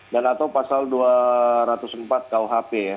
atau pasal dua ratus empat kuhp ya